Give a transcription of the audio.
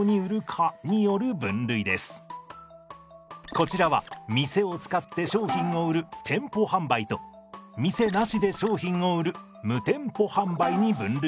こちらは店を使って商品を売る店舗販売と店なしで商品を売る無店舗販売に分類されます。